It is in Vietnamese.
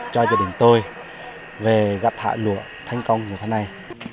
cho gia đình tôi về gặt hạ lụa thành công như thế này